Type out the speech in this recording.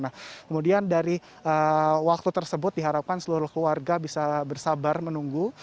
nah kemudian dari waktu tersebut diharapkan seluruh keluarga bisa bersabar menunggu